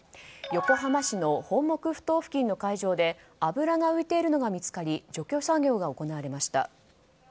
横浜市の本牧ふ頭付近の海上で油が浮いているのが見つかり除去作業が行われました。